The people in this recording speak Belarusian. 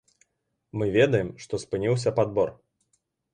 Мы ведаем, што спыніўся падбор.